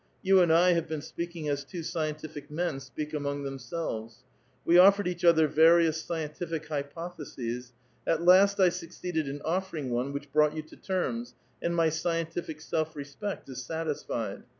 You and I have been speaking as two scientific men speak among themselves. We offered each other various scientific hypotheses ; at last 1 succeeded in offering one which brought yon to terms, and my scientific self i*espect is satisfied.